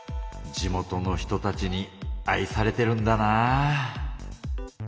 地元の人たちに愛されてるんだなぁ。